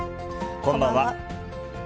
こんばんは。